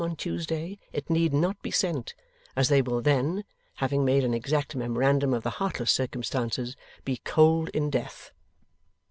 on Tuesday, it need not be sent, as they will then (having made an exact memorandum of the heartless circumstances) be 'cold in death.